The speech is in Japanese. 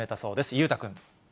裕太君。